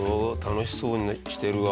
楽しそうにしてるわ。